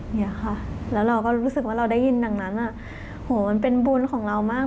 เนี่ยค่ะแล้วเราก็รู้สึกว่าเราได้ยินดังนั้นอ่ะ